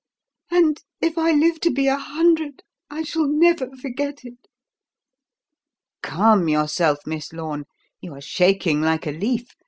and if I live to be a hundred I shall never forget it." "Calm yourself, Miss Lorne. You are shaking like a leaf.